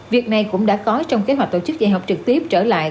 việc này cũng đã có trong kế hoạch tổ chức dạy học trực tiếp trở lại